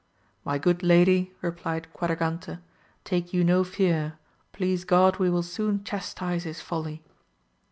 My good lady, replied Quadragante, take you no fear, please God we will soon chastise his folly.